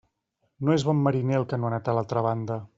No és bon mariner el que no ha anat a l'altra banda.